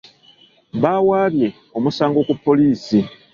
Baawaabye omusango ku poliisi.